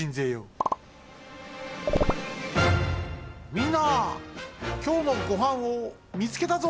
みんなきょうのごはんをみつけたぞ！